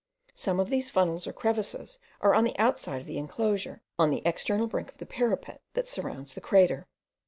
Some of these funnels or crevices are on the outside of the enclosure, on the external brink of the parapet that surrounds the crater.